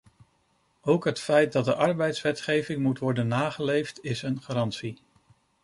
Ook het feit dat de arbeidswetgeving moet worden nageleefd is een garantie.